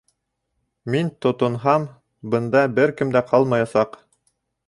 Мин тотонһам, бында бер кем дә ҡалмаясаҡ!..